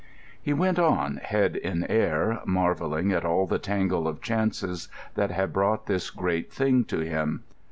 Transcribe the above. He went on, head in air, marvelling at all the tangle of chances that had brought this great thing to him.